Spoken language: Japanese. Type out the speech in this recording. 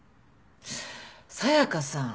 紗香さん